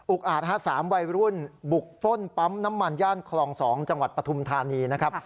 อาจฮะ๓วัยรุ่นบุกปล้นปั๊มน้ำมันย่านคลอง๒จังหวัดปฐุมธานีนะครับ